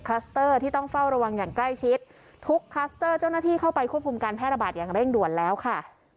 เตอร์ที่ต้องเฝ้าระวังอย่างใกล้ชิดทุกคลัสเตอร์เจ้าหน้าที่เข้าไปควบคุมการแพร่ระบาดอย่างเร่งด่วนแล้วค่ะ